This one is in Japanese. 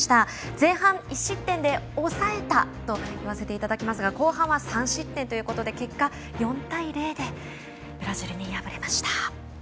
前半１失点で抑えたと言わせていただきますが後半は３失点ということで結果４対０でブラジルに敗れました。